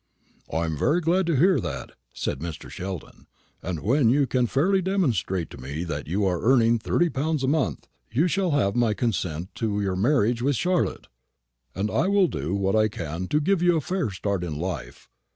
"I am very glad to hear that," said Mr. Sheldon; "and when you can fairly demonstrate to me that you are earning thirty pounds a month, you shall have my consent to your marriage with Charlotte, and I will do what I can to give you a fair start in life.